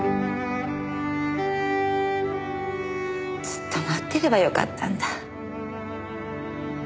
ずっと待ってればよかったんだ。